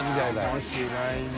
面白いね。